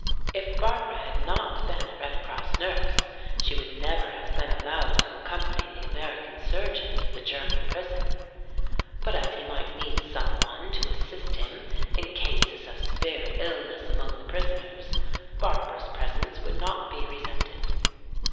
If Barbara had not been a Red Cross nurse she would never have been allowed to accompany the American surgeon to the German prison. But as he might need some one to assist him in cases of severe illness among the prisoners, Barbara's presence would not be resented.